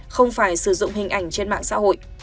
không phải sử dụng hình ảnh trên mạng xã hội